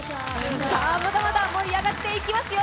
まだまだ盛り上がっていきますよ。